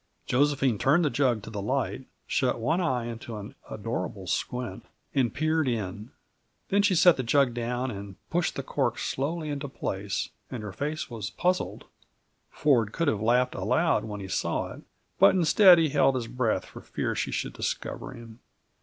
Josephine turned the jug to the light, shut one eye into an adorable squint, and peered in. Then she set the jug down and pushed the cork slowly into place; and her face was puzzled. Ford could have laughed aloud when he saw it, but instead he held his breath for fear she should discover him.